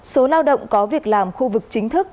số lao động có việc làm khu vực chính thức